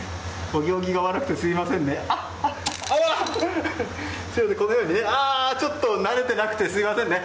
お行儀が悪くて、すみませんね。